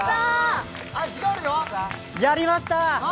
やりました！